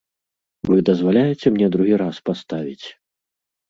Вы дазваляеце мне другі раз паставіць?